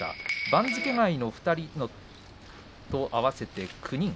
番付外の２人と合わせて９人。